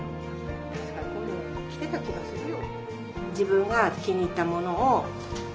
たしかこういうの着てた気がするよ。